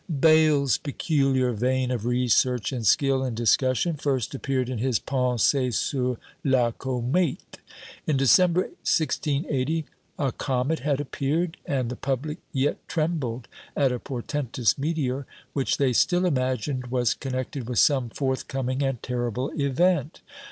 Bayle's peculiar vein of research and skill in discussion first appeared in his "Pensées sur la ComÃẀte." In December, 1680, a comet had appeared, and the public yet trembled at a portentous meteor, which they still imagined was connected with some forthcoming and terrible event!